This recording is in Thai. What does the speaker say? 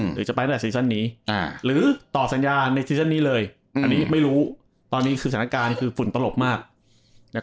หรือจะไปตั้งแต่ซีซั่นนี้หรือต่อสัญญาในซีซั่นนี้เลยอันนี้ไม่รู้ตอนนี้คือสถานการณ์คือฝุ่นตลบมาก